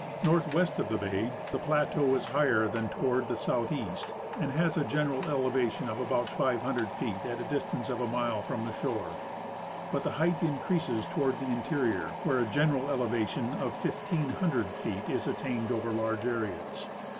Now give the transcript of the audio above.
Northwest of the bay the plateau is higher than toward the southeast, and has a general elevation of about 500 feet at a dis tance of a mile from the shore ; but the height increases toward the interior, where a general elevation of 1,500 feet is attained over large areas.